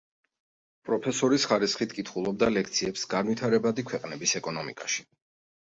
პროფესორის ხარისხით კითხულობდა ლექციებს განვითარებადი ქვეყნების ეკონომიკაში.